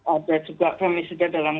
ada juga femisida dalam